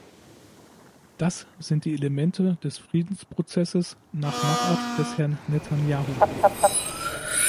Das sind die Elemente des Friedensprozesses nach Machart des Herrn Netanjahu!